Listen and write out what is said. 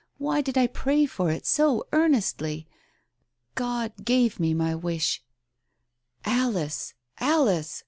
Why did I pray for it so earnestly ? God gave me my wish " "Alice ! Alice